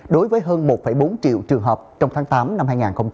đối với hơn một bốn triệu trường hợp trong tháng tám năm hai nghìn hai mươi